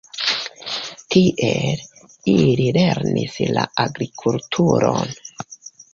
Tiel, ili lernis la agrikulturon.